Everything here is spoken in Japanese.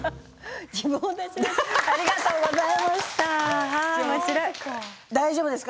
ありがとうございます。